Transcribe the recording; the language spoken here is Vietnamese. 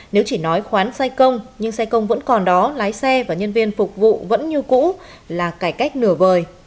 nếu chỉ nói khoán sai công nhưng xe công vẫn còn đó lái xe và nhân viên phục vụ vẫn như cũ là cải cách nửa vời